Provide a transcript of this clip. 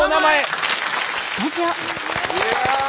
すごい。